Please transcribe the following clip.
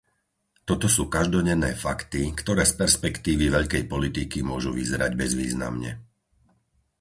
Toto sú každodenné fakty, ktoré z perspektívy veľkej politiky môžu vyzerať bezvýznamne.